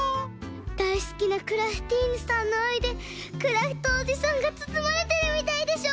だいすきなクラフティーヌさんのあいでクラフトおじさんがつつまれてるみたいでしょ？